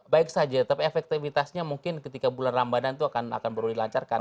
baik saja tapi efektivitasnya mungkin ketika bulan ramadhan itu akan perlu dilancarkan